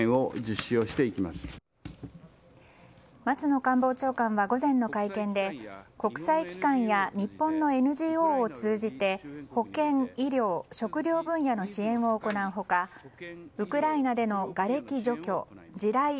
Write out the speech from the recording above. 松野官房長官は午前の会見で国際機関や日本のＮＧＯを通じて保健、医療、食料分野の支援を行う他ウクライナでのがれき除去地雷